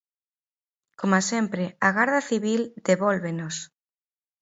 Coma sempre, a garda civil devólvenos.